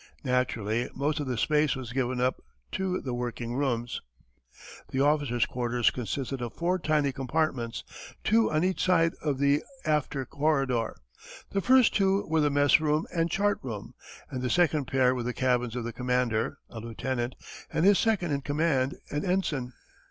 Naturally, most of the space was given up to the working rooms. The officers' quarters consisted of four tiny compartments, two on each side of the after corridor. The first two were the mess room and chart room, and the second pair were the cabins of the commander a lieutenant and his second in command, an ensign.